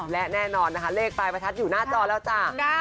และแน่นอนนะคะเลขปลายประทัดอยู่หน้าจอแล้วจ้า